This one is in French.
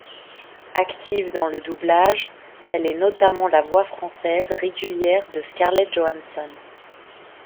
Active dans le doublage, elle est notamment la voix française régulière de Scarlett Johansson.